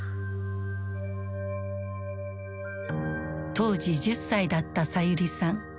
当時１０歳だったさゆりさん。